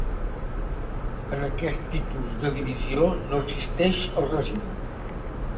En aquest tipus de divisió no existeix el residu.